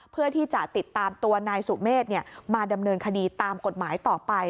เพื่อที่จะติดตามตัวนายสุเมฆมาดำเนินคดีตามกฎหมายต่อไป